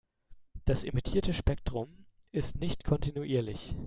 Das emittierte Spektrum ist nicht kontinuierlich.